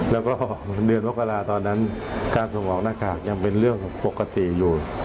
แล้วก็เดือนมกราตอนนั้นการส่งออกหน้ากากยังเป็นเรื่องปกติอยู่